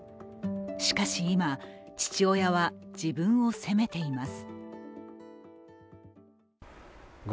しかし今、父親は自分を責めています。